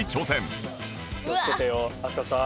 気をつけてよ飛鳥さん。